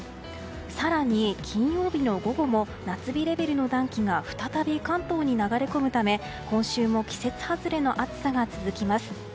更に、金曜日の午後も夏日レベルの暖気が再び、関東に流れ込むため今週も季節外れの暑さが続きます。